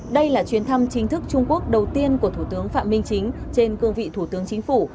đây là chuyến thăm chính thức trung quốc đầu tiên của thủ tướng phạm minh chính trên cương vị thủ tướng chính phủ